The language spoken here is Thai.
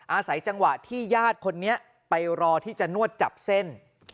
อาศัยจังหวะที่ญาติคนนี้ไปรอที่จะนวดจับเส้น